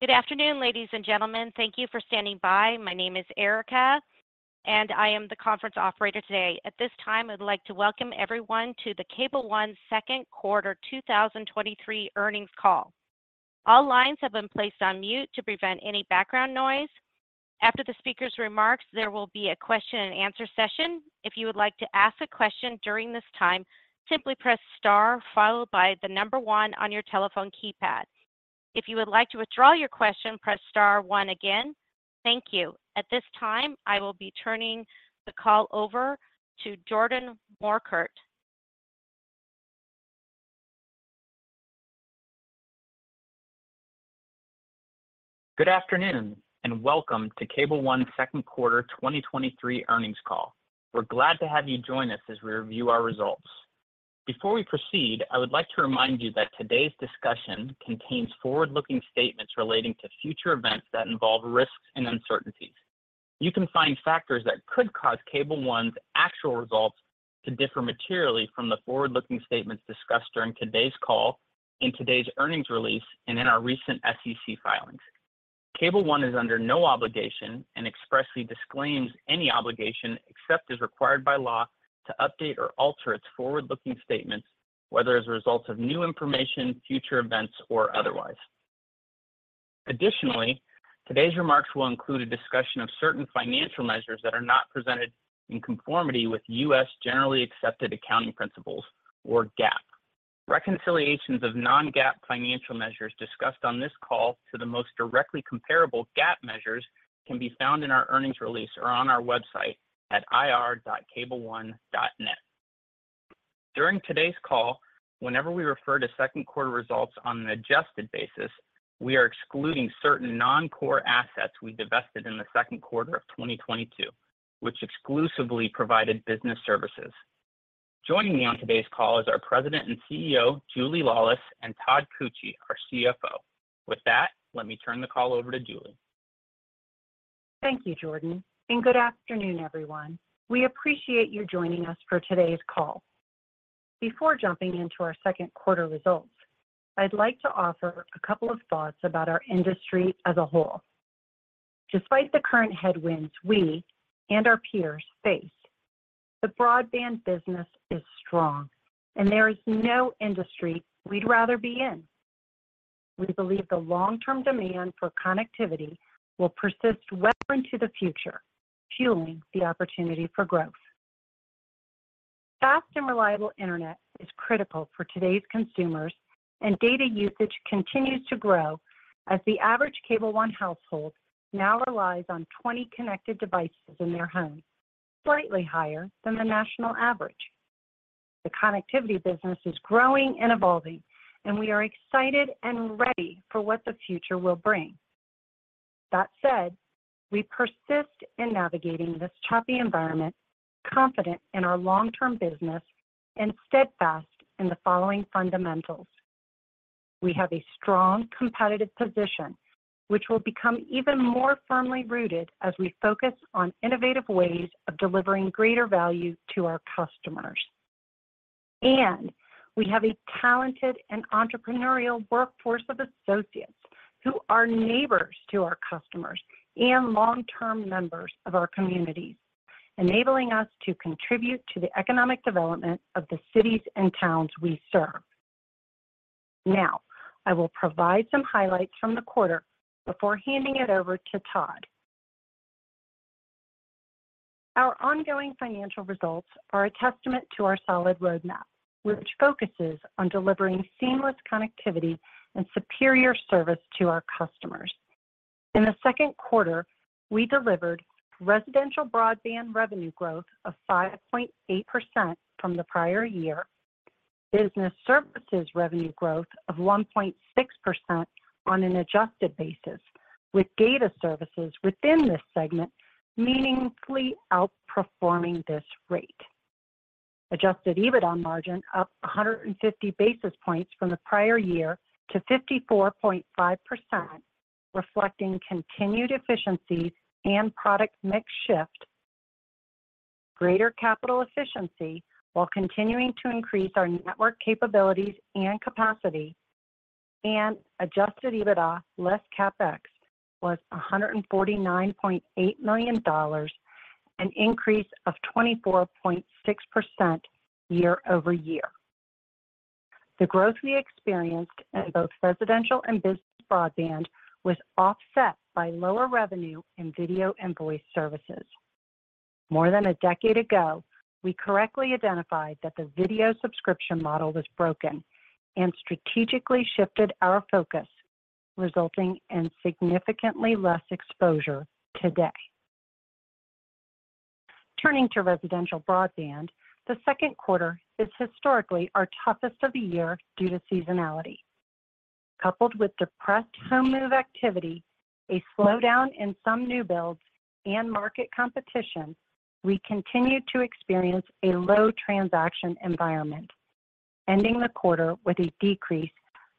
Good afternoon, ladies and gentlemen. Thank you for standing by. My name is Erica, and I am the conference operator today. At this time, I'd like to welcome everyone to the Cable One second quarter 2023 Earnings Call. All lines have been placed on mute to prevent any background noise. After the speaker's remarks, there will be a question and answer session. If you would like to ask a question during this time, simply press star followed by the number one on your telephone keypad. If you would like to withdraw your question, press star one again. Thank you. At this time, I will be turning the call over to Jordan Moorcourt. Good afternoon, and welcome to Cable One second quarter 2023 Earnings Call. We're glad to have you join us as we review our results. Before we proceed, I would like to remind you that today's discussion contains forward-looking statements relating to future events that involve risks and uncertainties. You can find factors that could cause Cable One's actual results to differ materially from the forward-looking statements discussed during today's call in today's earnings release and in our recent SEC filings. Cable One is under no obligation and expressly disclaims any obligation, except as required by law, to update or alter its forward-looking statements, whether as a result of new information, future events, or otherwise. Additionally, today's remarks will include a discussion of certain financial measures that are not presented in conformity with U.S. generally accepted accounting principles or GAAP. Reconciliations of Non-GAAP financial measures discussed on this call to the most directly comparable GAAP measures can be found in our earnings release or on our website at ir.cableone.net. During today's call, whenever we refer to second quarter results on an adjusted basis, we are excluding certain non-core assets we divested in the second quarter of 2022, which exclusively provided business services. Joining me on today's call is our President and CEO, Julie Laulis, and Todd Koetje, our CFO. With that, let me turn the call over to Julie. Thank you, Jordan, good afternoon, everyone. We appreciate you joining us for today's call. Before jumping into our 2nd quarter results, I'd like to offer a couple of thoughts about our industry as a whole. Despite the current headwinds we and our peers face, the broadband business is strong and there is no industry we'd rather be in. We believe the long-term demand for connectivity will persist well into the future, fueling the opportunity for growth. Fast and reliable internet is critical for today's consumers, and data usage continues to grow as the average Cable One household now relies on 20 connected devices in their home, slightly higher than the national average. The connectivity business is growing and evolving, and we are excited and ready for what the future will bring. That said, we persist in navigating this choppy environment, confident in our long-term business and steadfast in the following fundamentals. We have a strong competitive position, which will become even more firmly rooted as we focus on innovative ways of delivering greater value to our customers. We have a talented and entrepreneurial workforce of associates who are neighbors to our customers and long-term members of our communities, enabling us to contribute to the economic development of the cities and towns we serve. Now, I will provide some highlights from the quarter before handing it over to Todd. Our ongoing financial results are a testament to our solid roadmap, which focuses on delivering seamless connectivity and superior service to our customers. In the second quarter, we delivered residential broadband revenue growth of 5.8% from the prior year. Business services revenue growth of 1.6% on an adjusted basis, with data services within this segment meaningfully outperforming this rate. Adjusted EBITDA margin up 150 basis points from the prior year to 54.5%, reflecting continued efficiencies and product mix shift, greater capital efficiency, while continuing to increase our network capabilities and capacity. Adjusted EBITDA less CapEx was $149.8 million, an increase of 24.6% year-over-year. The growth we experienced in both residential and business broadband was offset by lower revenue in video and voice services. More than a decade ago, we correctly identified that the video subscription model was broken and strategically shifted our focus, resulting in significantly less exposure today. Turning to residential broadband, the second quarter is historically our toughest of the year due to seasonality. Coupled with depressed home move activity, a slowdown in some new builds and market competition, we continued to experience a low transaction environment, ending the quarter with a decrease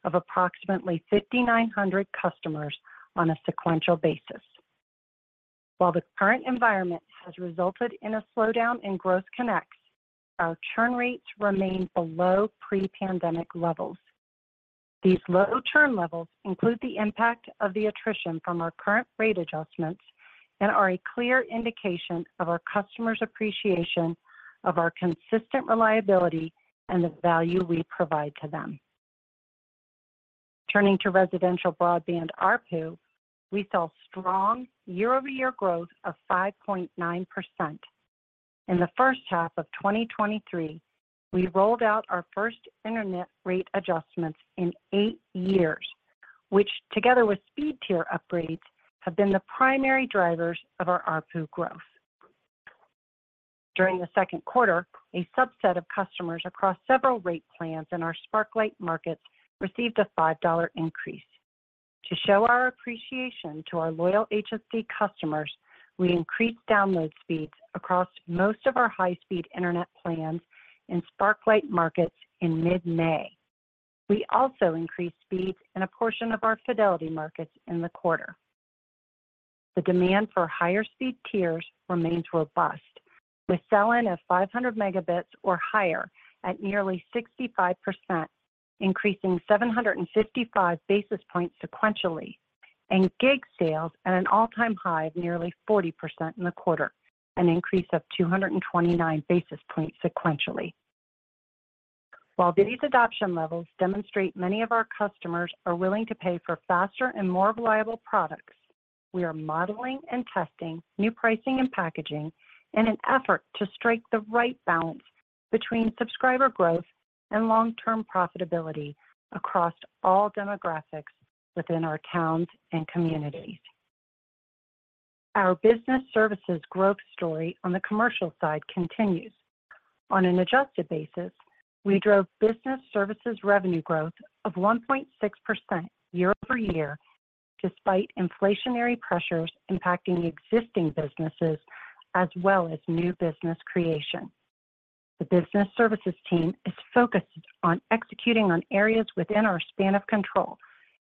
of approximately 5,900 customers on a sequential basis. While the current environment has resulted in a slowdown in growth connects, our churn rates remain below pre-pandemic levels. These low churn levels include the impact of the attrition from our current rate adjustments and are a clear indication of our customers' appreciation of our consistent reliability and the value we provide to them. Turning to residential broadband ARPU, we saw strong year-over-year growth of 5.9%. In the first half of 2023, we rolled out our first internet rate adjustments in eight years, which, together with speed tier upgrades, have been the primary drivers of our ARPU growth. During the second quarter, a subset of customers across several rate plans in our Sparklight markets received a $5 increase. To show our appreciation to our loyal HSD customers, we increased download speeds across most of our high-speed internet plans in Sparklight markets in mid-May. We also increased speeds in a portion of our Fidelity markets in the quarter. The demand for higher speed tiers remains robust, with sell-in of 500 MB or higher at nearly 65%, increasing 755 basis points sequentially, and gig sales at an all-time high of nearly 40% in the quarter, an increase of 229 basis points sequentially. While these adoption levels demonstrate many of our customers are willing to pay for faster and more reliable products, we are modeling and testing new pricing and packaging in an effort to strike the right balance between subscriber growth and long-term profitability across all demographics within our towns and communities. Our business services growth story on the commercial side continues. On an adjusted basis, we drove business services revenue growth of 1.6% year-over-year, despite inflationary pressures impacting existing businesses as well as new business creation. The business services team is focused on executing on areas within our span of control,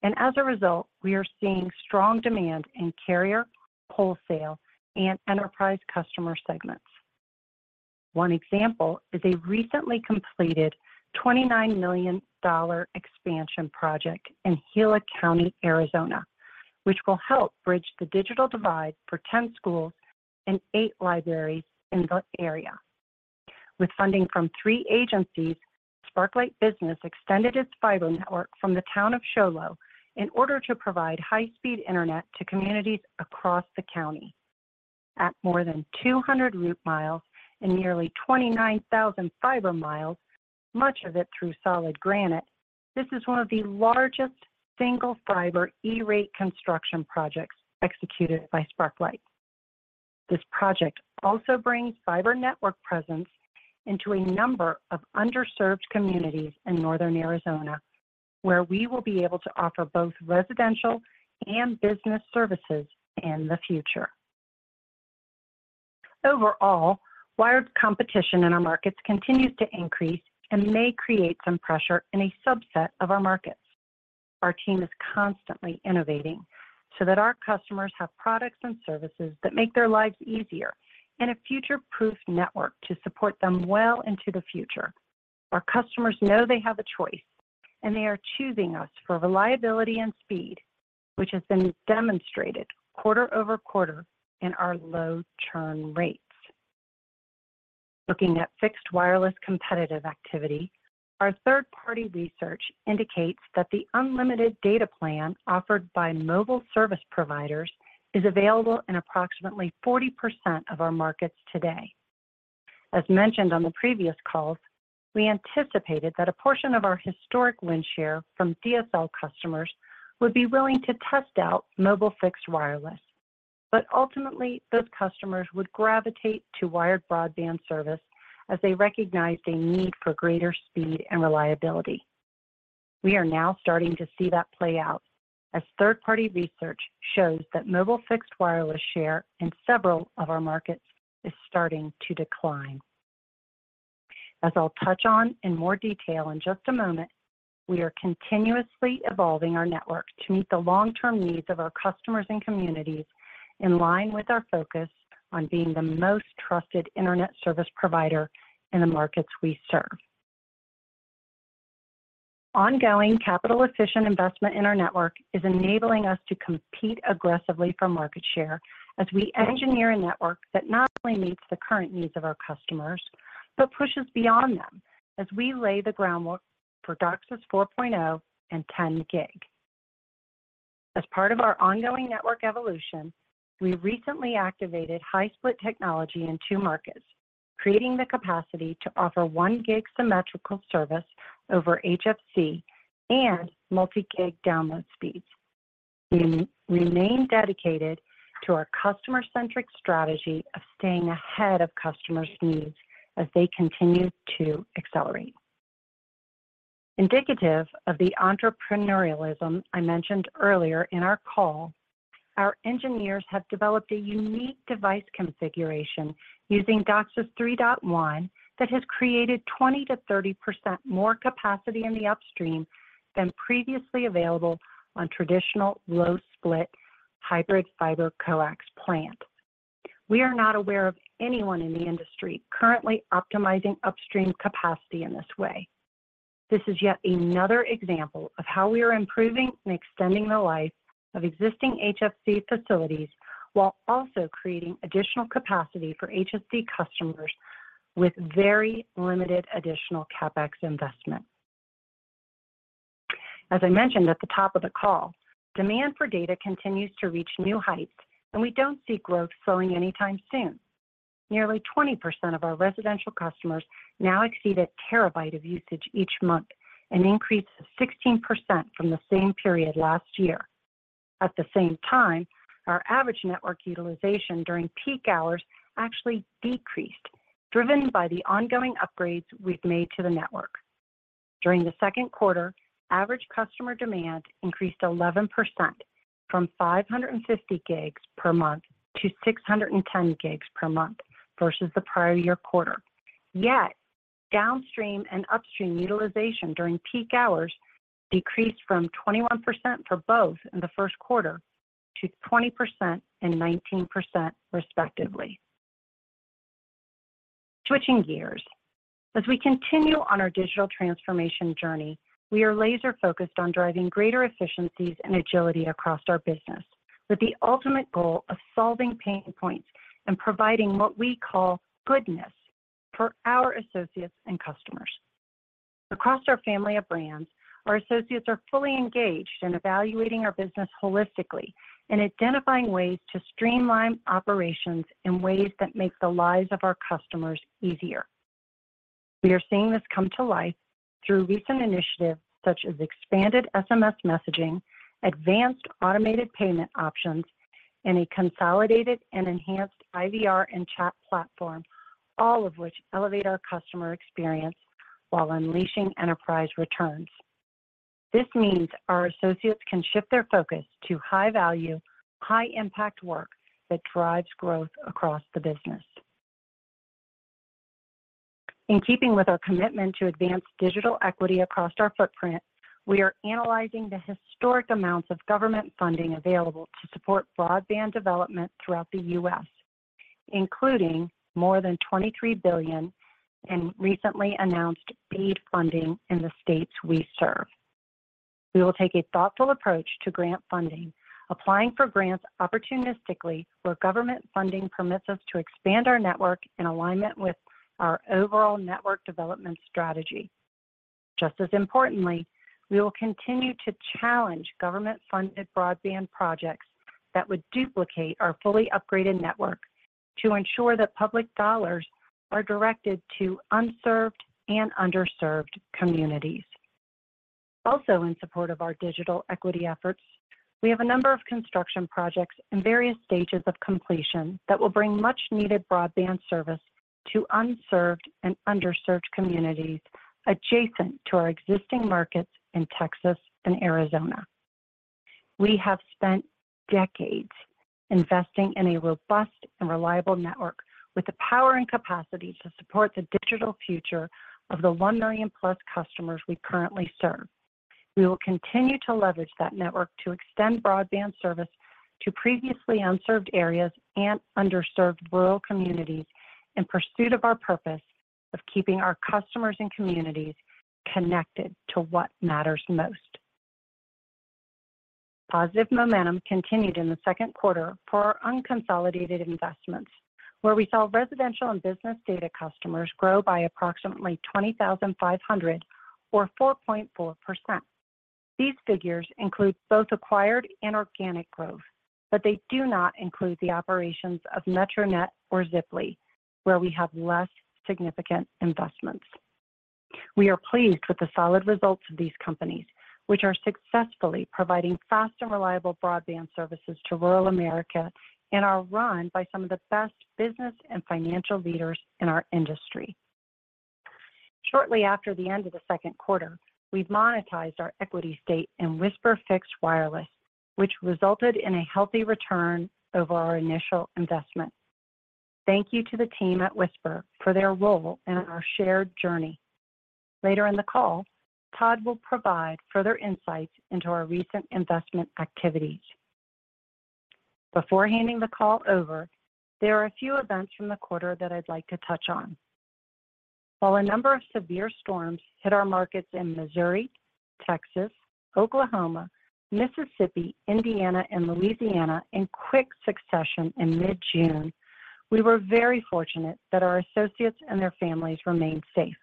and as a result, we are seeing strong demand in carrier, wholesale, and enterprise customer segments. One example is a recently completed $29 million expansion project in Gila County, Arizona, which will help bridge the digital divide for 10 schools and eight libraries in the area. With funding from three agencies, Sparklight Business extended its fiber network from the town of Show Low in order to provide high-speed internet to communities across the county. At more than 200 route miles and nearly 29,000 fiber miles, much of it through solid granite, this is one of the largest single fiber E-rate construction projects executed by Sparklight. This project also brings fiber network presence into a number of underserved communities in northern Arizona, where we will be able to offer both residential and business services in the future. Overall, wired competition in our markets continues to increase and may create some pressure in a subset of our markets. Our team is constantly innovating so that our customers have products and services that make their lives easier and a future-proof network to support them well into the future. Our customers know they have a choice, and they are choosing us for reliability and speed, which has been demonstrated quarter-over-quarter in our low churn rates. Looking at fixed wireless competitive activity, our third-party research indicates that the unlimited data plan offered by mobile service providers is available in approximately 40% of our markets today. As mentioned on the previous calls, we anticipated that a portion of our historic win share from DSL customers would be willing to test out mobile fixed wireless, but ultimately, those customers would gravitate to wired broadband service as they recognized a need for greater speed and reliability. We are now starting to see that play out as third-party research shows that mobile fixed wireless share in several of our markets is starting to decline. As I'll touch on in more detail in just a moment, we are continuously evolving our networks to meet the long-term needs of our customers and communities, in line with our focus on being the most trusted internet service provider in the markets we serve. Ongoing capital-efficient investment in our network is enabling us to compete aggressively for market share as we engineer a network that not only meets the current needs of our customers, but pushes beyond them as we lay the groundwork for DOCSIS 4.0 and 10G. As part of our ongoing network evolution, we recently activated high-split technology in two markets, creating the capacity to offer one gig symmetrical service over HFC and multi-gig download speeds. We remain dedicated to our customer-centric strategy of staying ahead of customers' needs as they continue to accelerate. Indicative of the entrepreneurialism I mentioned earlier in our call, our engineers have developed a unique device configuration using DOCSIS 3.1, that has created 20%-30% more capacity in the upstream than previously available on traditional low-split hybrid fiber-coaxial plant. We are not aware of anyone in the industry currently optimizing upstream capacity in this way. This is yet another example of how we are improving and extending the life of existing HFC facilities, while also creating additional capacity for HFC customers with very limited additional CapEx investment. As I mentioned at the top of the call, demand for data continues to reach new heights, and we don't see growth slowing anytime soon. Nearly 20% of our residential customers now exceed 1 TB of usage each month, an increase of 16% from the same period last year. At the same time, our average network utilization during peak hours actually decreased, driven by the ongoing upgrades we've made to the network. During the second quarter, average customer demand increased 11% from 550 GB per month to 610 GB per month versus the prior year quarter. Downstream and upstream utilization during peak hours decreased from 21% for both in the first quarter to 20% and 19% respectively. Switching gears, as we continue on our digital transformation journey, we are laser-focused on driving greater efficiencies and agility across our business, with the ultimate goal of solving pain points and providing what we call goodness for our associates and customers. Across our family of brands, our associates are fully engaged in evaluating our business holistically and identifying ways to streamline operations in ways that make the lives of our customers easier. We are seeing this come to life through recent initiatives such as expanded SMS messaging, advanced automated payment options, and a consolidated and enhanced IVR and chat platform, all of which elevate our customer experience while unleashing enterprise returns. This means our associates can shift their focus to high-value, high-impact work that drives growth across the business. In keeping with our commitment to advance digital equity across our footprint, we are analyzing the historic amounts of government funding available to support broadband development throughout the U.S., including more than $23 billion in recently announced BEAD funding in the states we serve. We will take a thoughtful approach to grant funding, applying for grants opportunistically where government funding permits us to expand our network in alignment with our overall network development strategy. Just as importantly, we will continue to challenge government-funded broadband projects that would duplicate our fully upgraded network to ensure that public dollars are directed to unserved and underserved communities. In support of our digital equity efforts, we have a number of construction projects in various stages of completion that will bring much-needed broadband service to unserved and underserved communities adjacent to our existing markets in Texas and Arizona. We have spent decades investing in a robust and reliable network with the power and capacity to support the digital future of the 1 million-plus customers we currently serve. We will continue to leverage that network to extend broadband service to previously unserved areas and underserved rural communities in pursuit of our purpose of keeping our customers and communities connected to what matters most. Positive momentum continued in the second quarter for our unconsolidated investments, where we saw residential and business data customers grow by approximately 20,500, or 4.4%. These figures include both acquired and organic growth, but they do not include the operations of Metronet or Ziply, where we have less significant investments. We are pleased with the solid results of these companies, which are successfully providing fast and reliable broadband services to rural America and are run by some of the best business and financial leaders in our industry. Shortly after the end of the second quarter, we've monetized our equity stake in Wisper Fixed Wireless, which resulted in a healthy return of our initial investment. Thank you to the team at Wisper for their role in our shared journey. Later in the call, Todd will provide further insights into our recent investment activities. Before handing the call over, there are a few events from the quarter that I'd like to touch on. While a number of severe storms hit our markets in Missouri, Texas, Oklahoma, Mississippi, Indiana, and Louisiana in quick succession in mid-June, we were very fortunate that our associates and their families remained safe.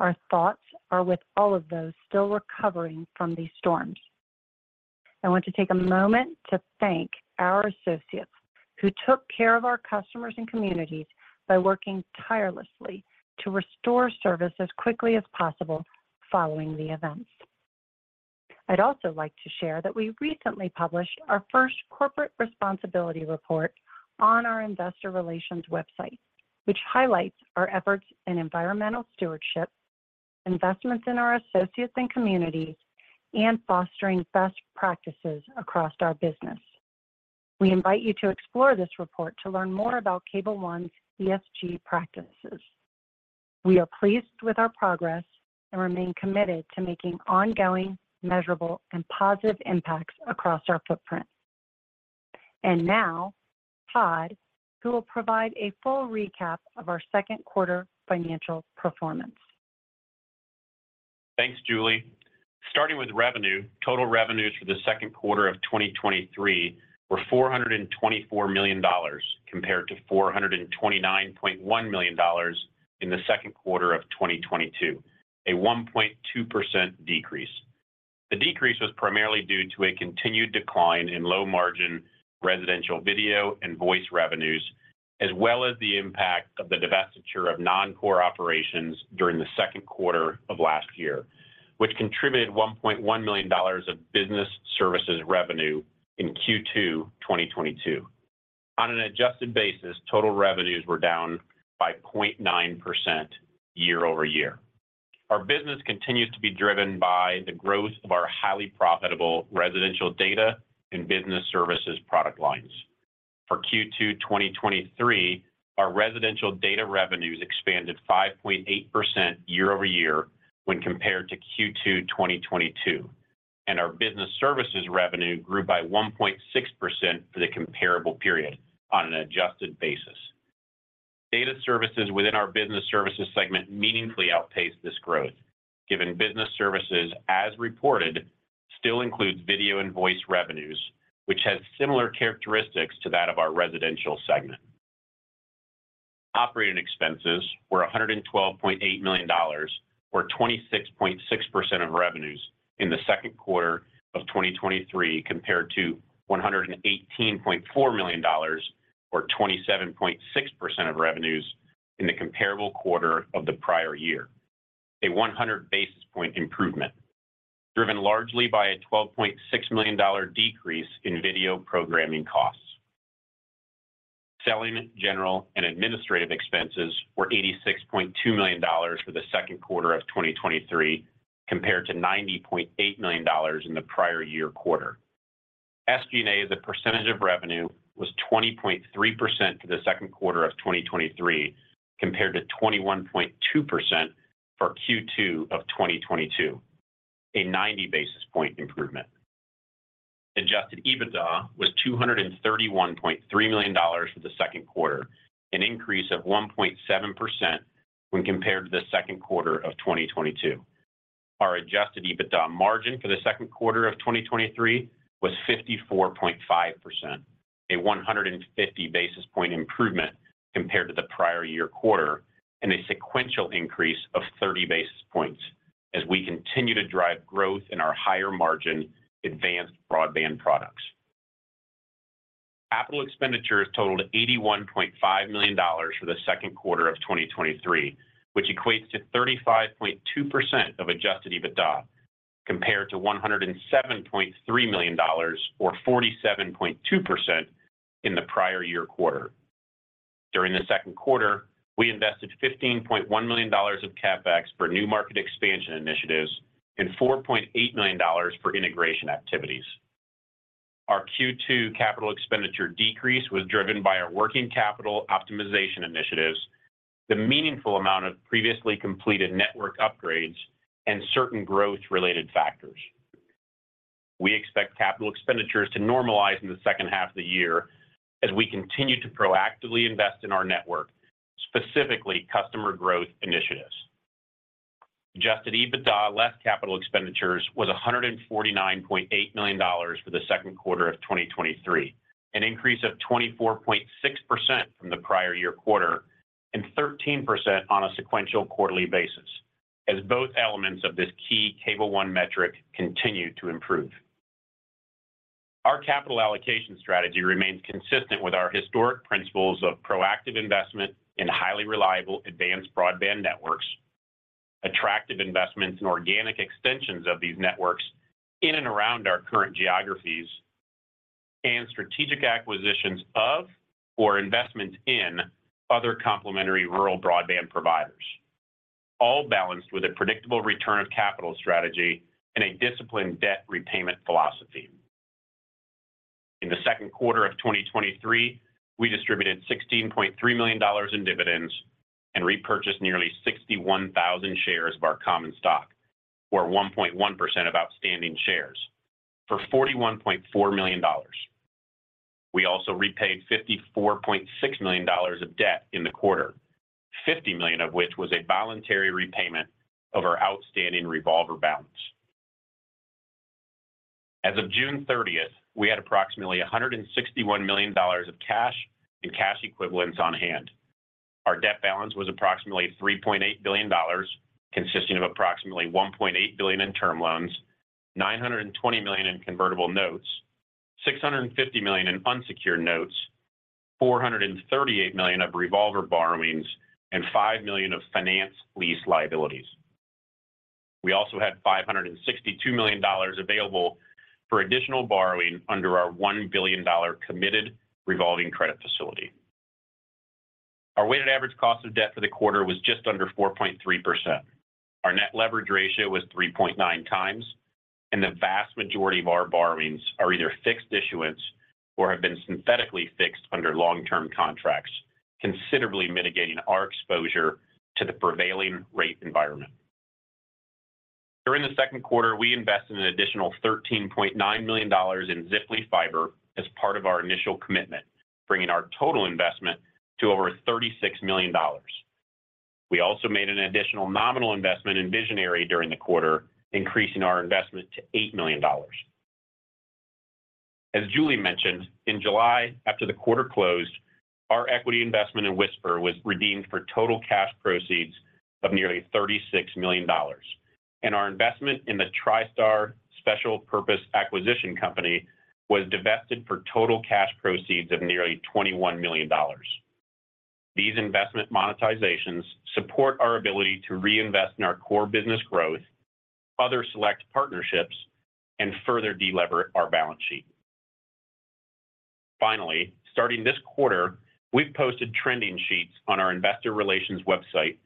Our thoughts are with all of those still recovering from these storms. I want to take a moment to thank our associates who took care of our customers and communities by working tirelessly to restore service as quickly as possible following the events. I'd also like to share that we recently published our first corporate responsibility report on our investor relations website, which highlights our efforts in environmental stewardship, investments in our associates and communities, and fostering best practices across our business. We invite you to explore this report to learn more about Cable One's ESG practices. We are pleased with our progress and remain committed to making ongoing, measurable, and positive impacts across our footprint. Now, Todd, who will provide a full recap of our second quarter financial performance. Thanks, Julie. Starting with revenue, total revenues for the second quarter of 2023 were $424 million, compared to $429.1 million in the second quarter of 2022, a 1.2% decrease. The decrease was primarily due to a continued decline in low-margin residential video and voice revenues, as well as the impact of the divestiture of non-core operations during the second quarter of last year, which contributed $1.1 million of business services revenue in Q2 2022. On an adjusted basis, total revenues were down by 0.9% year-over-year. Our business continues to be driven by the growth of our highly profitable residential data and business services product lines. For Q2 2023, our residential data revenues expanded 5.8% year-over-year when compared to Q2 2022, and our business services revenue grew by 1.6% for the comparable period on an adjusted basis. Data services within our business services segment meaningfully outpaced this growth, given business services as reported, still includes video and voice revenues, which has similar characteristics to that of our residential segment. Operating expenses were $112.8 million, or 26.6% of revenues in the second quarter of 2023, compared to $118.4 million, or 27.6% of revenues in the comparable quarter of the prior year. A 100 basis point improvement, driven largely by a $12.6 million decrease in video programming costs. Selling, general, and administrative expenses were $86.2 million for the second quarter of 2023, compared to $90.8 million in the prior year quarter. SG&A, as a percentage of revenue, was 20.3% for the second quarter of 2023, compared to 21.2% for Q2 of 2022, a 90 basis point improvement. Adjusted EBITDA was $231.3 million for the second quarter, an increase of 1.7% when compared to the second quarter of 2022. Our Adjusted EBITDA margin for the second quarter of 2023 was 54.5%, a 150 basis point improvement compared to the prior year quarter, and a sequential increase of 30 basis points as we continue to drive growth in our higher-margin advanced broadband products. Capital expenditures totaled $81.5 million for the second quarter of 2023, which equates to 35.2% of Adjusted EBITDA, compared to $107.3 million, or 47.2%, in the prior year quarter. During the second quarter, we invested $15.1 million of CapEx for new market expansion initiatives and $4.8 million for integration activities. Our Q2 capital expenditure decrease was driven by our working capital optimization initiatives, the meaningful amount of previously completed network upgrades, and certain growth-related factors. We expect capital expenditures to normalize in the second half of the year as we continue to proactively invest in our network, specifically customer growth initiatives. Adjusted EBITDA less CapEx was $149.8 million for the second quarter of 2023, an increase of 24.6% from the prior year quarter and 13% on a sequential quarterly basis, as both elements of this key Cable One metric continue to improve. Our capital allocation strategy remains consistent with our historic principles of proactive investment in highly reliable advanced broadband networks, attractive investments in organic extensions of these networks in and around our current geographies, and strategic acquisitions of or investments in other complementary rural broadband providers, all balanced with a predictable return of capital strategy and a disciplined debt repayment philosophy. In the second quarter of 2023, we distributed $16.3 million in dividends and repurchased nearly 61,000 shares of our common stock, or 1.1% of outstanding shares, for $41.4 million. We also repaid $54.6 million of debt in the quarter, $50 million of which was a voluntary repayment of our outstanding revolver balance. As of June 30th, we had approximately $161 million of cash and cash equivalents on hand. Our debt balance was approximately $3.8 billion, consisting of approximately $1.8 billion in term-loans, $920 million in convertible notes, $650 million in unsecured notes, $438 million of revolver borrowings, and $5 million of finance lease liabilities. We also had $562 million available for additional borrowing under our $1 billion committed revolving credit facility. Our weighted average cost of debt for the quarter was just under 4.3%. Our net leverage ratio was 3.9x, and the vast majority of our borrowings are either fixed issuance or have been synthetically fixed under long-term contracts, considerably mitigating our exposure to the prevailing rate environment. During the second quarter, we invested an additional $13.9 million in Ziply Fiber as part of our initial commitment, bringing our total investment to over $36 million. We also made an additional nominal investment in Visionary during the quarter, increasing our investment to $8 million. As Julie mentioned, in July, after the quarter closed, our equity investment in Wisper was redeemed for total cash proceeds of nearly $36 million, and our investment in the Tristar Special Purpose Acquisition Company was divested for total cash proceeds of nearly $21 million. These investment monetizations support our ability to reinvest in our core business growth, other select partnerships, and further de-lever our balance sheet. Finally, starting this quarter, we've posted trending sheets on our investor relations website,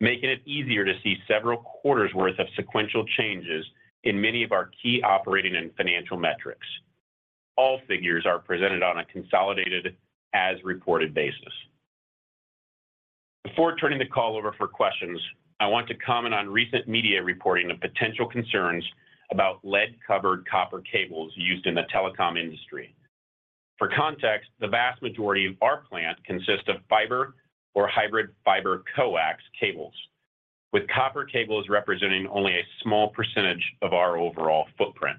making it easier to see several quarters' worth of sequential changes in many of our key operating and financial metrics. All figures are presented on a consolidated as reported basis. Before turning the call over for questions, I want to comment on recent media reporting of potential concerns about lead-covered copper cables used in the telecom industry. For context, the vast majority of our plant consists of fiber or hybrid fiber-coaxial cables, with copper cables representing only a small percentage of our overall footprint.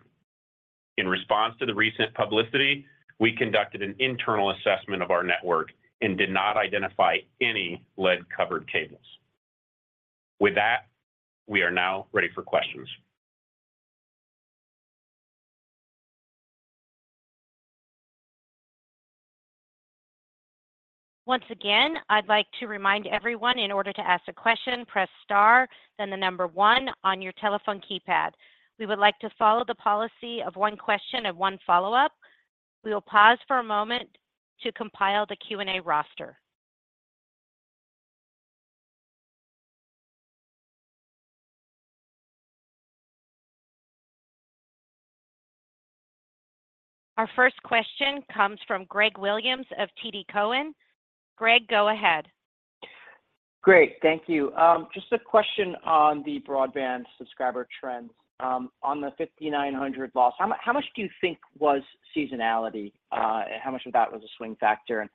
In response to the recent publicity, we conducted an internal assessment of our network and did not identify any lead-covered cables. With that, we are now ready for questions. Once again, I'd like to remind everyone in order to ask a question, press star, thenone on your telephone keypad. We would like to follow the policy of one question and one follow-up. We will pause for a moment to compile the Q&A roster. Our first question comes from Greg Williams of TD Cowen. Greg, go ahead. Great. Thank you. Just a question on the broadband subscriber trends. On the 5,900 loss, how much do you think was seasonality and how much of that was a swing factor?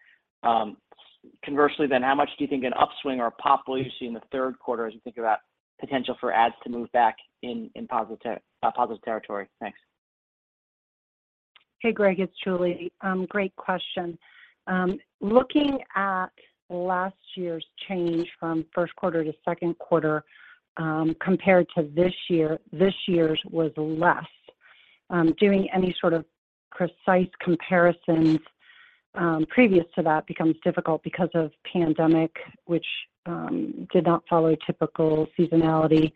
Conversely, how much do you think an upswing or a pop will you see in the third quarter as you think about potential for ads to move back in, in positive, positive territory? Thanks. Hey, Greg, it's Julie. Great question. Looking at last year's change from 1st quarter to 2nd quarter, compared to this year, this year's was less. Doing any sort of precise comparisons, previous to that becomes difficult because of pandemic, which did not follow typical seasonality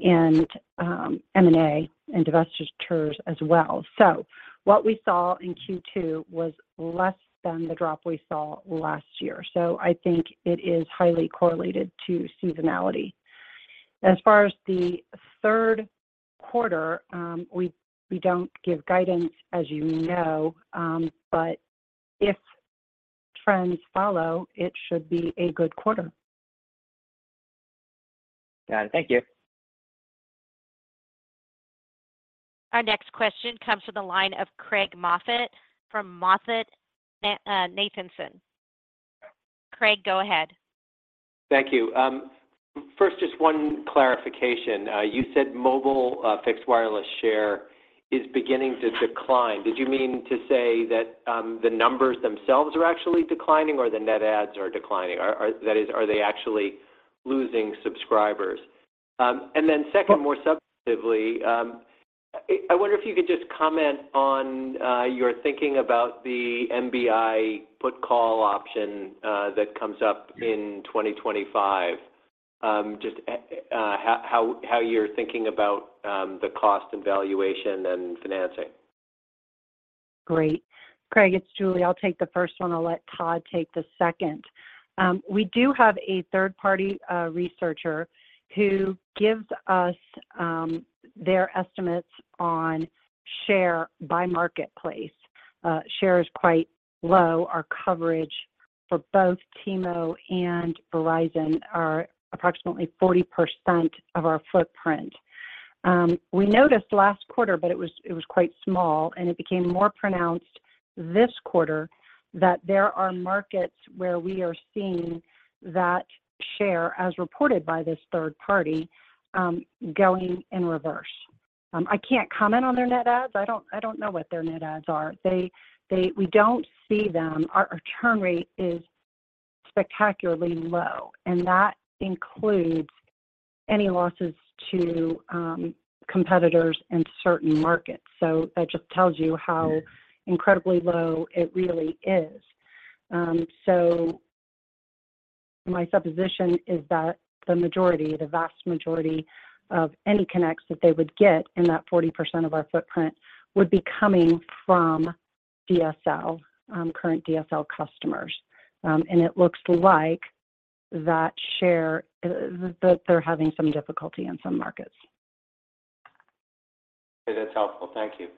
and M&A and divestitures as well. What we saw in Q2 was less than the drop we saw last year, so I think it is highly correlated to seasonality. As far as the 3rd quarter, we don't give guidance, as you know, but if trends follow, it should be a good quarter. Got it. Thank you. Our next question comes from the line of Craig Moffett from MoffettNathanson. Craig, go ahead. Thank you. First, just 1 clarification. You said mobile, fixed wireless share is beginning to decline. Did you mean to say that the numbers themselves are actually declining or the net adds are declining? Are they actually losing subscribers? Second, more substantively, I wonder if you could just comment on your thinking about the MBI put call option that comes up in 2025. Just how you're thinking about the cost and valuation and financing. Great. Craig, it's Julie. I'll take the first one. I'll let Todd take the second. We do have a third-party researcher who gives us their estimates on share by marketplace. Share is quite low. Our coverage for both T-Mo and Verizon are approximately 40% of our footprint. We noticed last quarter, but it was, it was quite small, and it became more pronounced this quarter, that there are markets where we are seeing that share, as reported by this third party, going in reverse. I can't comment on their net adds. I don't, I don't know what their net adds are. They, they-- We don't see them. Our churn rate is spectacularly low, and that includes any losses to competitors in certain markets. That just tells you how incredibly low it really is. My supposition is that the majority, the vast majority of any connects that they would get in that 40% of our footprint would be coming from DSL, current DSL customers. It looks like that share that they're having some difficulty in some markets. Okay, that's helpful. Thank you.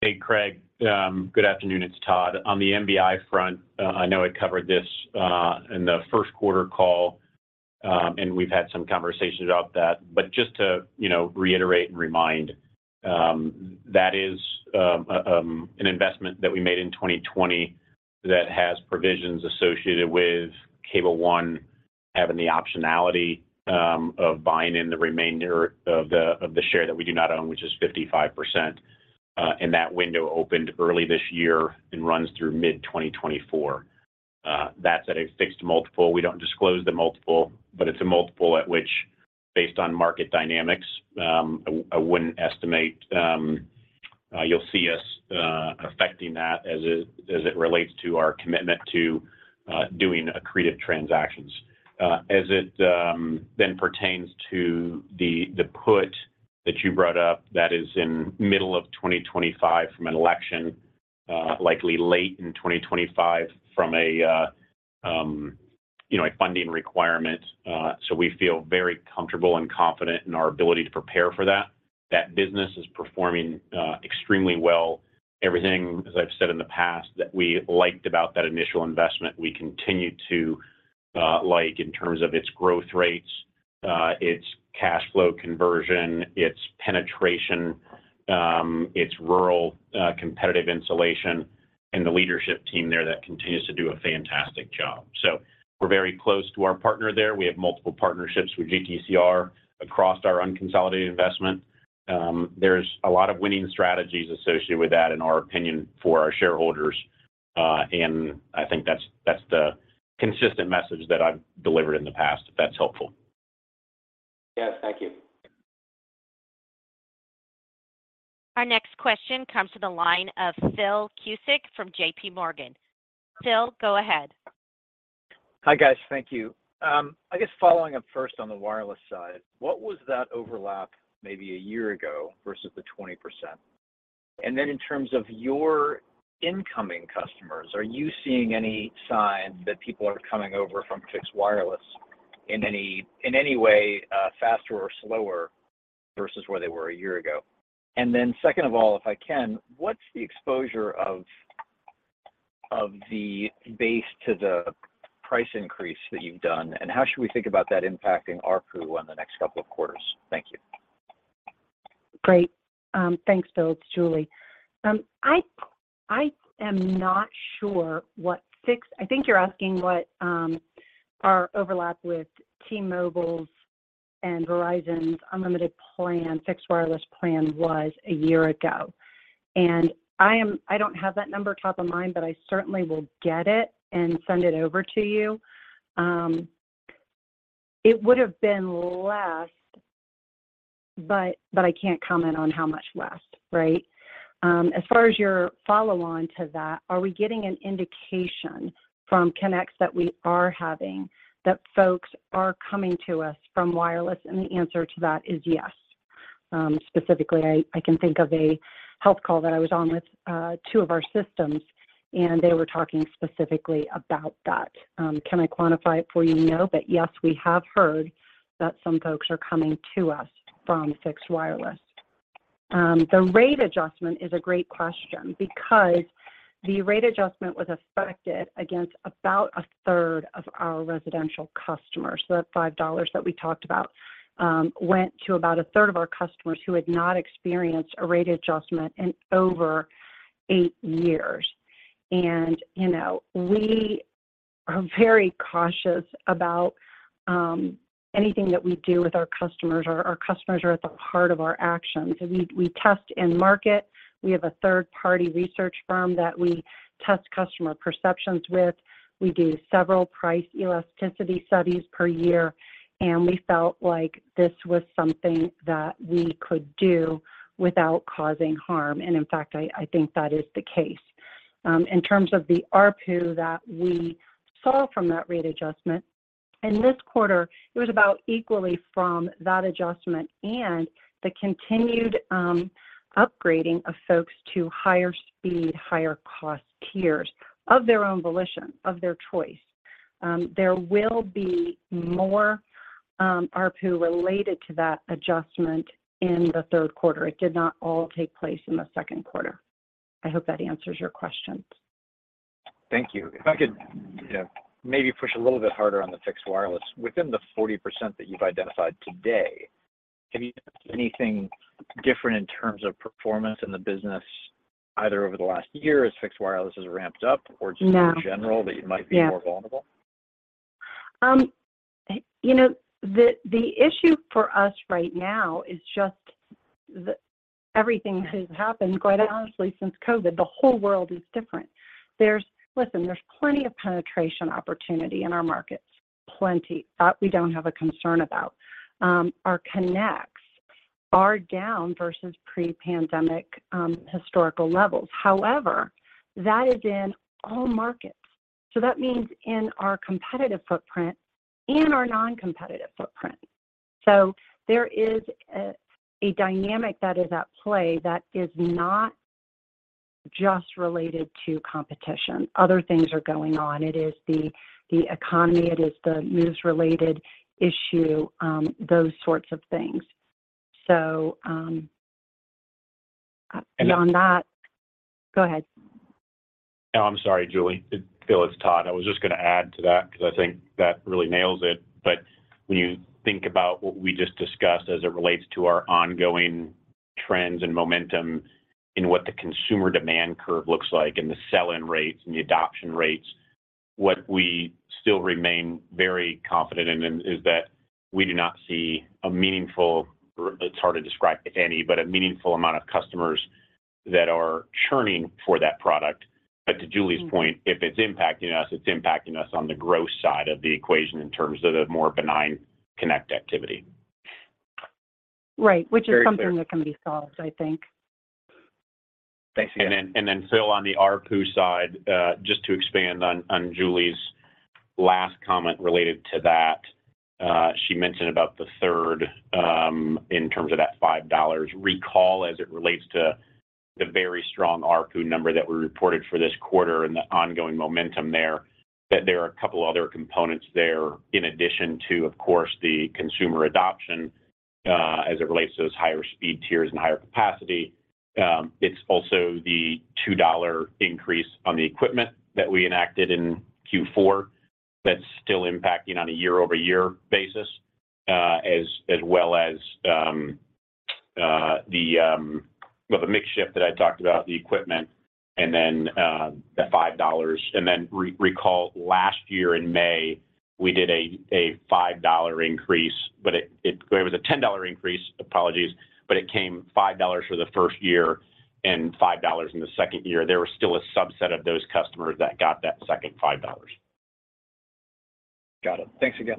Hey, Craig. Good afternoon, it's Todd. On the MBI front, I know I covered this in the first quarter call, and we've had some conversations about that. Just to, you know, reiterate and remind, that is an investment that we made in 2020, that has provisions associated with Cable One, having the optionality of buying in the remainder of the share that we do not own, which is 55%. That window opened early this year and runs through mid-2024. That's at a fixed multiple. We don't disclose the multiple, but it's a multiple at which based on market dynamics, I, I wouldn't estimate, you'll see us affecting that as it, as it relates to our commitment to doing accretive transactions. As it, then pertains to the, the put that you brought up, that is in middle of 2025 from an election, likely late in 2025 from a, you know, a funding requirement. We feel very comfortable and confident in our ability to prepare for that. That business is performing extremely well. Everything, as I've said in the past, that we liked about that initial investment, we continue to like in terms of its growth rates, its cash flow conversion, its penetration, its rural, competitive installation, and the leadership team there that continues to do a fantastic job. We're very close to our partner there. We have multiple partnerships with GTCR across our unconsolidated investment. There's a lot of winning strategies associated with that, in our opinion, for our shareholders, and I think that's, that's the consistent message that I've delivered in the past, if that's helpful. Yes. Thank you. Our next question comes to the line of Phil Cusick from J.P. Morgan. Phil, go ahead. Hi, guys. Thank you. I guess following up first on the wireless side, what was that overlap maybe a year ago versus the 20%? In terms of your incoming customers, are you seeing any signs that people are coming over from fixed wireless in any, in any way, faster or slower versus where they were a year ago? Second of all, if I can, what's the exposure of the base to the price increase that you've done, and how should we think about that impacting ARPU on the next couple of quarters? Thank you. Great. Thanks, Phil. It's Julie. I, I am not sure what fixed-- I think you're asking what our overlap with T-Mobile's and Verizon's unlimited plan, fixed wireless plan was a year ago. I don't have that number top of mind, but I certainly will get it and send it over to you. It would have been less, but, but I can't comment on how much less, right? As far as your follow-on to that, are we getting an indication from connects that folks are coming to us from wireless? The answer to that is yes. Specifically, I, I can think of a health call that I was on with two of our systems, and they were talking specifically about that. Can I quantify it for you? No. Yes, we have heard that some folks are coming to us from fixed wireless. The rate adjustment is a great question because the rate adjustment was affected against about a third of our residential customers. That $5 that we talked about, went to about a third of our customers who had not experienced a rate adjustment in over eight years. You know, we are very cautious about anything that we do with our customers. Our, our customers are at the heart of our actions. We, we test and market. We have a third-party research firm that we test customer perceptions with. We do several price elasticity studies per year, and we felt like this was something that we could do without causing harm. In fact, I, I think that is the case. In terms of the ARPU that we saw from that rate adjustment, in this quarter, it was about equally from that adjustment and the continued upgrading of folks to higher speed, higher cost tiers of their own volition, of their choice. There will be more ARPU related to that adjustment in the third quarter. It did not all take place in the second quarter. I hope that answers your questions. Thank you. If I could, maybe push a little bit harder on the fixed wireless. Within the 40% that you've identified today, have you done anything different in terms of performance in the business, either over the last year as fixed wireless has ramped up, or just. No in general, that you might be more vulnerable? You know, the issue for us right now is just everything that has happened, quite honestly, since COVID. The whole world is different. Listen, there's plenty of penetration opportunity in our markets. Plenty, we don't have a concern about. Our connects are down versus pre-pandemic, historical levels. However, that is in all markets. That means in our competitive footprint and our non-competitive footprint. There is a dynamic that is at play that is not just related to competition. Other things are going on. It is the economy, it is the news-related issue, those sorts of things. Beyond that. And- Go ahead. No, I'm sorry, Julie. It Phil, it's Todd. I was just gonna add to that because I think that really nails it. When you think about what we just discussed as it relates to our ongoing trends and momentum in what the consumer demand curve looks like, and the sell-in rates and the adoption rates, what we still remain very confident in is that we do not see a meaningful, it's hard to describe if any, but a meaningful amount of customers that are churning for that product. To Julie's point, if it's impacting us, it's impacting us on the growth side of the equation in terms of the more benign connect activity. Right. Very clear. Which is something that can be solved, I think. Thanks again. Then, and then, Phil, on the ARPU side, just to expand on, on Julie's last comment related to that, she mentioned about the third, in terms of that $5. Recall, as it relates to the very strong ARPU number that we reported for this quarter and the ongoing momentum there, that there are a couple other components there, in addition to, of course, the consumer adoption, as it relates to those higher speed tiers and higher capacity. It's also the $2 increase on the equipment that we enacted in Q4 that's still impacting on a year-over-year basis. As, as well as, the, well, the mix shift that I talked about, the equipment, and then, the $5. Re-recall, last year in May, we did a $5 increase, it-- well, it was a $10 increase, apologies, it came $5 for the first year and $5 in the second year. There was still a subset of those customers that got that second $5. Got it. Thanks again.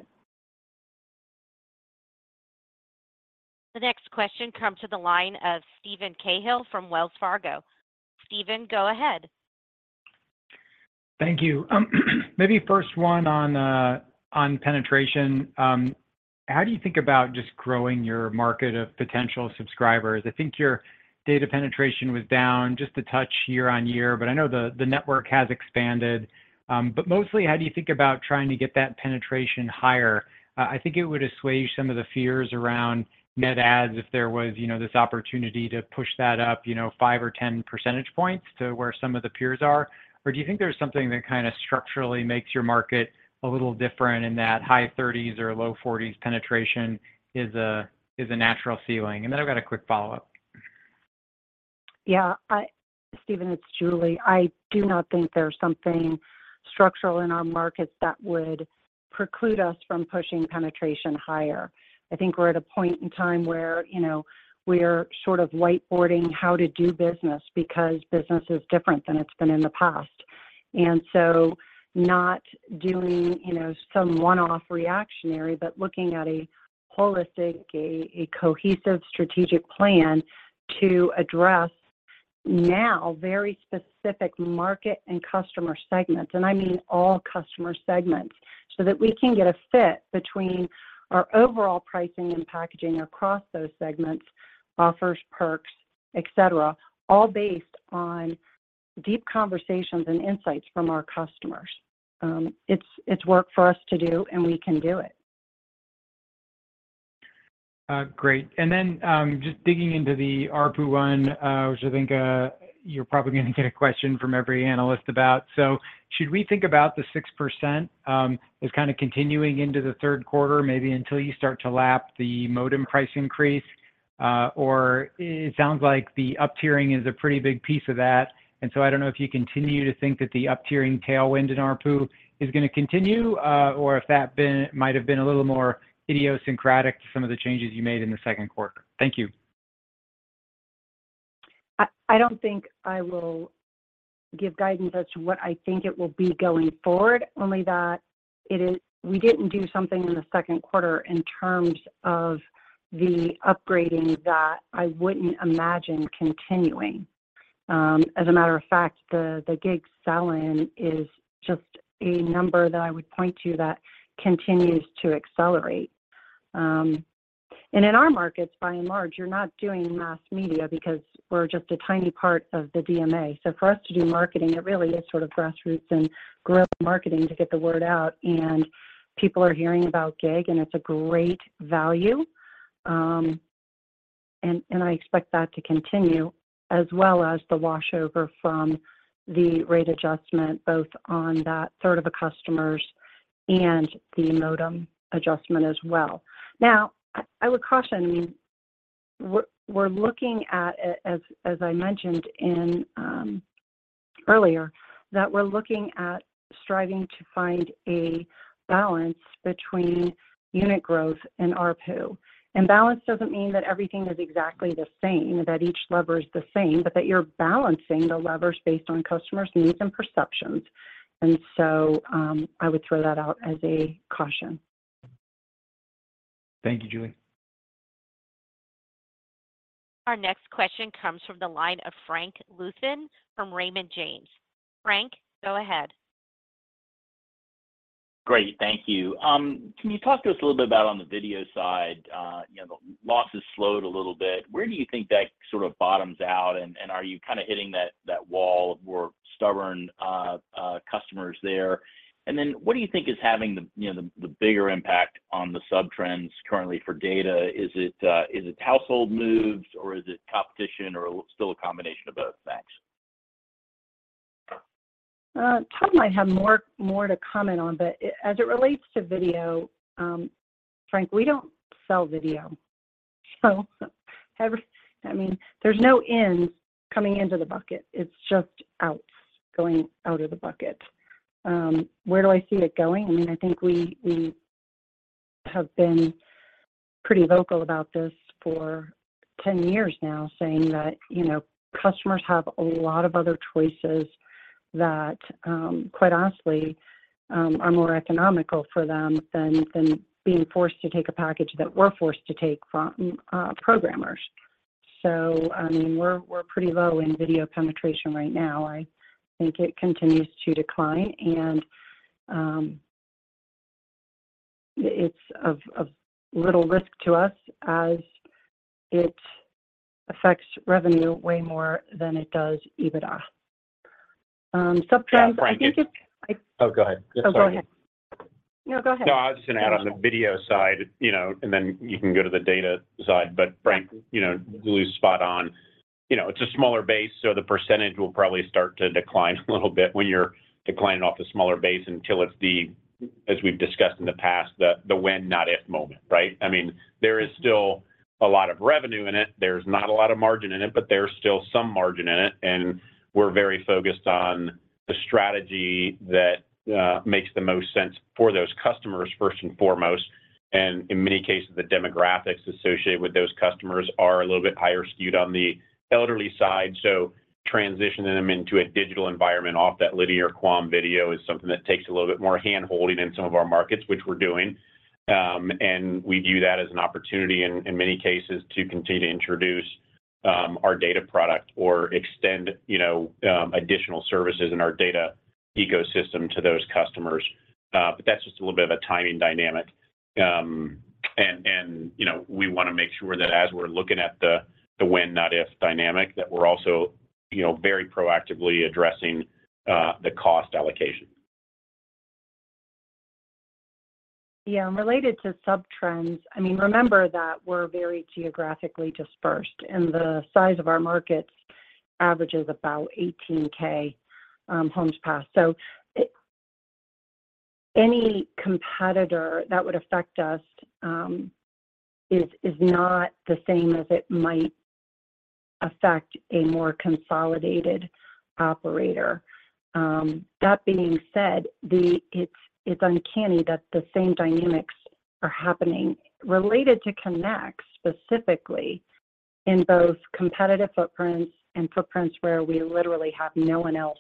The next question comes to the line of Steven Cahall from Wells Fargo. Steven, go ahead. Thank you. Maybe first one on penetration. How do you think about just growing your market of potential subscribers? I think your data penetration was down just a touch year-on-year, but I know the network has expanded. But mostly, how do you think about trying to get that penetration higher? I think it would assuage some of the fears around net adds if there was, you know, this opportunity to push that up, you know, five or 10 percentage points to where some of the peers are. Or do you think there's something that structurally makes your market a little different in that high 30s or low 40s penetration is a natural ceiling? Then I've got a quick follow-up. Yeah. Steven, it's Julie. I do not think there's something structural in our markets that would preclude us from pushing penetration higher. I think we're at a point in time where, you know, we're sort of whiteboarding how to do business because business is different than it's been in the past. Not doing, you know, some 1-off reactionary, but looking at a holistic, a cohesive strategic plan to address now very specific market and customer segments, and I mean all customer segments, so that we can get a fit between our overall pricing and packaging across those segments, offers, perks, et cetera, all based on deep conversations and insights from our customers. It's work for us to do, and we can do it. Great. Then, just digging into the ARPU one, which I think you're probably going to get a question from every analyst about. Should we think about the 6% as kind of continuing into the third quarter, maybe until you start to lap the modem price increase? Or it sounds like the uptiering is a pretty big piece of that, and so I don't know if you continue to think that the uptiering tailwind in ARPU is gonna continue, or if that might have been a little more idiosyncratic to some of the changes you made in the second quarter. Thank you. I don't think I will give guidance as to what I think it will be going forward, only that it is. We didn't do something in the second quarter in terms of the upgrading that I wouldn't imagine continuing. As a matter of fact, the gig sell-in is just a number that I would point to that continues to accelerate. In our markets, by and large, you're not doing mass media because we're just a tiny part of the DMA. For us to do marketing, it really is sort of grassroots and guerrilla marketing to get the word out, and people are hearing about gig, and it's a great value. I expect that to continue, as well as the washover from the rate adjustment, both on that sort of a customers and the modem adjustment as well. Now, I would caution, we're looking at, as I mentioned in earlier, that we're looking at striving to find a balance between unit growth and ARPU. Balance doesn't mean that everything is exactly the same, that each lever is the same, but that you're balancing the levers based on customers' needs and perceptions. I would throw that out as a caution. Thank you, Julie. Our next question comes from the line of Frank Louthan from Raymond James. Frank, go ahead. Great. Thank you. Can you talk to us a little bit about on the video side? You know, the losses slowed a little bit. Where do you think that sort of bottoms out, and are you kind of hitting that wall of more stubborn customers there? Then what do you think is having the, you know, the bigger impact on the sub-trends currently for data? Is it household moves, or is it competition, or still a combination of both? Thanks. Todd might have more, more to comment on, but as it relates to video, Frank, we don't sell video. I mean, there's no ins coming into the bucket. It's just outs going out of the bucket. Where do I see it going? I mean, I think we, we have been pretty vocal about this for 10 years now, saying that, you know, customers have a lot of other choices that, quite honestly, are more economical for them than, than being forced to take a package that we're forced to take from programmers. I mean, we're, we're pretty low in video penetration right now. I think it continues to decline, and it's of, of little risk to us, as it affects revenue way more than it does EBITDA. Sub-trends- Yeah, Frank- I think it's. Go ahead. Go ahead. Yes, sorry. No, go ahead. No, I was just gonna add on the video side, you know, and then you can go to the data side. Frank, you know, Julie's spot on. You know, it's a smaller base, so the percentage will probably start to decline a little bit when you're declining off a smaller base until it's the, as we've discussed in the past, the, the when, not if moment, right? I mean, there is still a lot of revenue in it. There's not a lot of margin in it, but there's still some margin in it, and we're very focused on the strategy that makes the most sense for those customers, first and foremost. In many cases, the demographics associated with those customers are a little bit higher skewed on the elderly side, so transitioning them into a digital environment off that linear QAM video is something that takes a little bit more hand-holding in some of our markets, which we're doing. And we view that as an opportunity, in many cases, to continue to introduce our data product or extend, you know, additional services in our data ecosystem to those customers. That's just a little bit of a timing dynamic. You know, we want to make sure that as we're looking at the when, not if dynamic, that we're also, you know, very proactively addressing the cost allocation. Yeah, and related to sub-trends, I mean, remember that we're very geographically dispersed, and the size of our markets averages about 18k homes passed. It... Any competitor that would affect us is, is not the same as it might affect a more consolidated operator. That being said, the-- it's, it's uncanny that the same dynamics are happening related to Connect, specifically in both competitive footprints and footprints where we literally have no one else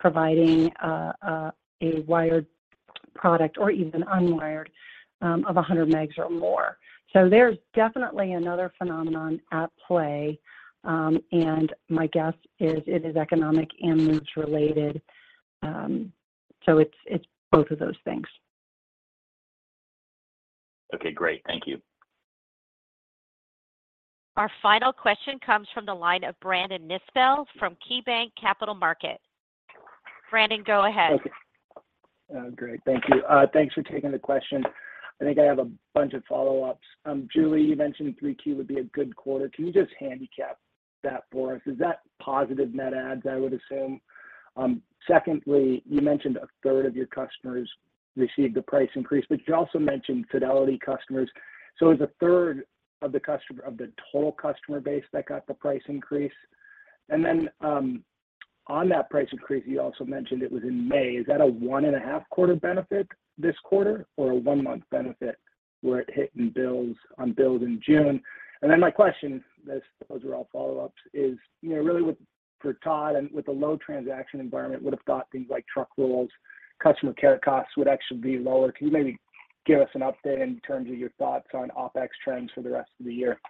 providing a wired product or even unwired of 100 megs or more. There's definitely another phenomenon at play, and my guess is it is economic and moves related. It's, it's both of those things. Okay, great. Thank you. Our final question comes from the line of Brandon Nispel from KeyBanc Capital Markets. Brandon, go ahead. Okay. Great. Thank you. Thanks for taking the question. I think I have a bunch of follow-ups. Julie, you mentioned 3Q would be a good quarter. Can you just handicap that for us? Is that positive net adds, I would assume? Secondly, you mentioned a third of your customers received the price increase, but you also mentioned Fidelity customers. Is a third of the customer, of the total customer base that got the price increase? And then, on that price increase, you also mentioned it was in May. Is that a 1.5 quarter benefit this quarter, or a one-month benefit, where it hit in bills, on bills in June? And then my question, as those are all follow-ups, is, you know, really with, for Todd, and with the low transaction environment, would've thought the, like, truck rules, customer care costs would actually be lower. Can you maybe give us an update in terms of your thoughts on OpEx trends for the rest of the year?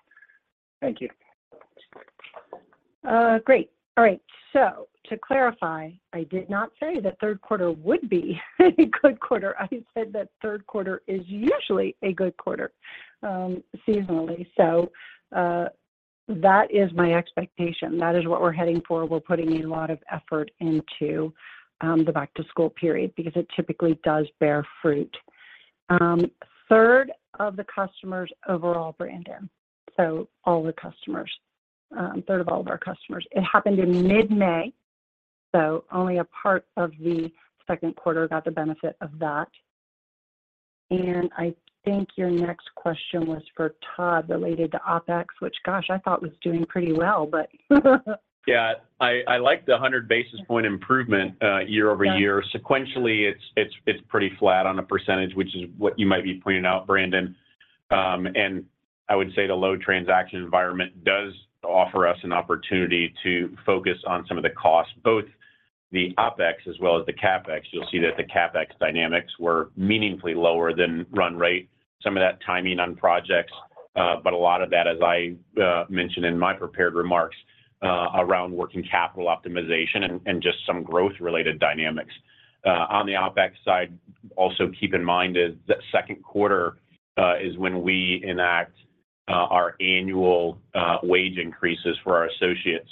Thank you. Great. All right, to clarify, I did not say that third quarter would be a good quarter. I said that third quarter is usually a good quarter, seasonally. That is my expectation. That is what we're heading for. We're putting a lot of effort into the back-to-school period, because it typically does bear fruit. Third of the customers overall, Brandon, so all the customers, third of all of our customers. It happened in mid-May, so only a part of the second quarter got the benefit of that. I think your next question was for Todd, related to OpEx, which, gosh, I thought was doing pretty well. Yeah, I, I like the 100 basis point improvement, year-over-year. Yeah. Sequentially, it's, it's, it's pretty flat on a %, which is what you might be pointing out, Brandon. I would say the low transaction environment does offer us an opportunity to focus on some of the costs, both the OpEx as well as the CapEx. You'll see that the CapEx dynamics were meaningfully lower than run rate, some of that timing on projects, but a lot of that, as I mentioned in my prepared remarks, around working capital optimization and, and just some growth-related dynamics. On the OpEx side, also keep in mind is, that second quarter is when we enact our annual wage increases for our associates.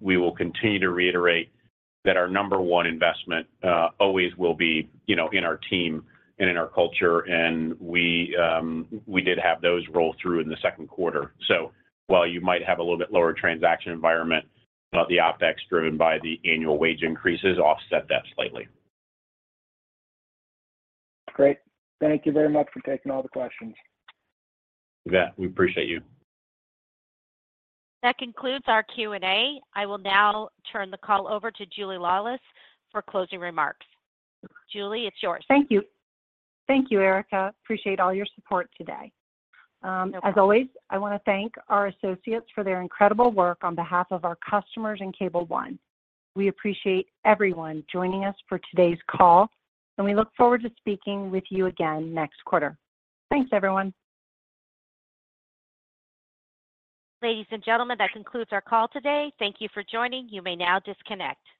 We will continue to reiterate that our number one investment, always will be, you know, in our team and in our culture, and we did have those roll through in the second quarter. While you might have a little bit lower transaction environment, the OpEx driven by the annual wage increases offset that slightly. Great. Thank you very much for taking all the questions. Yeah, we appreciate you. That concludes our Q&A. I will now turn the call over to Julie Laulis for closing remarks. Julie, it's yours. Thank you. Thank you, Erica. Appreciate all your support today. No problem. As always, I want to thank our associates for their incredible work on behalf of our customers and Cable One. We appreciate everyone joining us for today's call, and we look forward to speaking with you again next quarter. Thanks, everyone. Ladies and gentlemen, that concludes our call today. Thank you for joining. You may now disconnect.